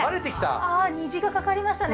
虹が架かりましたね